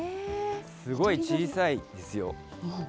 すごい小さいですよ。